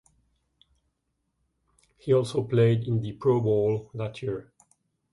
He also played in the Pro Bowl that year.